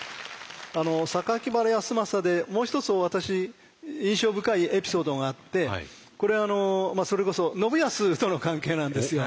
榊原康政でもう一つ私印象深いエピソードがあってこれそれこそ信康との関係なんですよ。